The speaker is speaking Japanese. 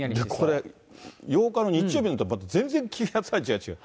これ、８日の日曜日になると全然、気圧配置が違う。